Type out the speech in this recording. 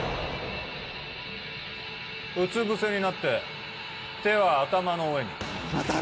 うつぶせになって手は頭の上に。